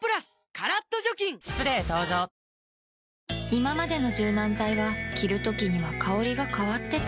いままでの柔軟剤は着るときには香りが変わってた